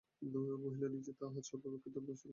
মহিলা নিজে তাঁহার সর্বাপেক্ষা দামী বস্ত্র পরিতেন।